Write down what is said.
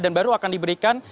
dan baru akan diberikan